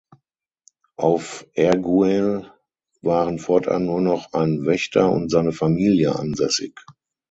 Auf Erguel waren fortan nur noch ein Wächter und seine Familie ansässig.